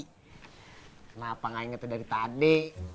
kenapa gak inget dari tadi